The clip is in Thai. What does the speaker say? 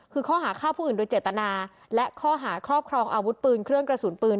คือข้อหาฆ่าผู้อื่นโดยเจตนาและข้อหาครอบครองอาวุธปืนเครื่องกระสุนปืน